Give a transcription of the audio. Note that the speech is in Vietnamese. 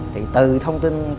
thì từ thông tin